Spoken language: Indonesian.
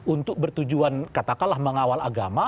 untuk bertujuan katakanlah mengawal agama